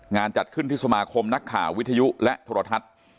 จัดขึ้นที่สมาคมนักข่าววิทยุและโทรทัศน์